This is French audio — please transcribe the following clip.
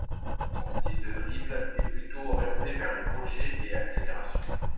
Son style de dribble est plutôt orienté vers les crochets et accélérations.